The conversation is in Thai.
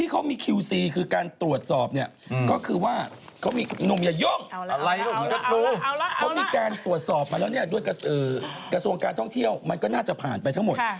เขามีแกนตรวจสอบมาแล้วเนี่ยด้วยกระทรวงการท่องเที่ยวมันก็น่าจะผ่านไปทั้งหมด